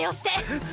えっ？